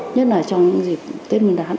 nhất là trong những dịp tết nguyên đán